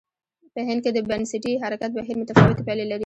په هند کې د بنسټي حرکت بهیر متفاوتې پایلې لرلې.